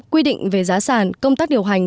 quy định về giá sản công tác điều hành